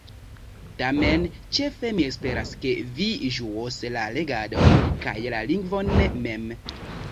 Tamen ĉefe mi esperas, ke vi ĝuos la legadon, kaj la lingvon mem.